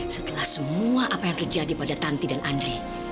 setelah semua apa yang terjadi pada tanti dan andri